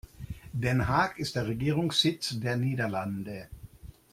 Den Haag ist der Regierungssitz der Niederlande.